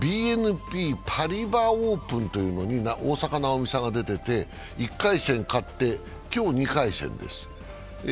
ＢＮＰパリバ・オープンというのに大坂なおみさんが出てて、１回戦勝って今日２回戦です。